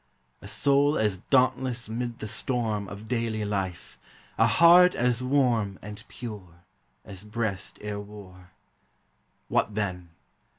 A soul as dauntless 'mid the storm Of daily life, a heart as warm And pure, as breast e'er wore. What then?